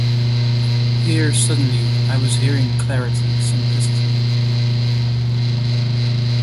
Here, suddenly, I was hearing clarity, simplicity.